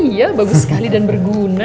iya bagus sekali dan berguna